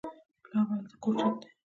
پلار ولې د کور چت دی؟